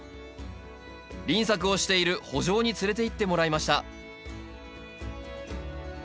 輪作をしている圃場に連れていってもらいました